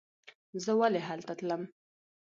زه ولې هلته تلم.